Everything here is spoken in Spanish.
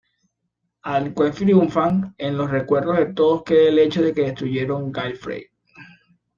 Aunque triunfan, en los recuerdos de todos queda el hecho de que destruyeron Gallifrey.